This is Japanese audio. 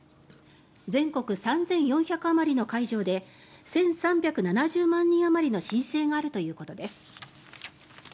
全国３４００あまりの会場で１３７０万人あまりの申請があるということです。